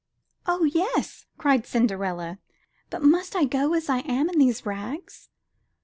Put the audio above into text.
'' *'0h, yes/' cried Cinderella, ''but must I go as I am in these rags?''